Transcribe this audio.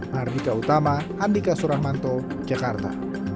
harika utama handika suramanto jakarta